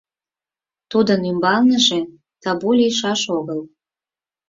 Тудын ӱмбалныже табу лийшаш огыл.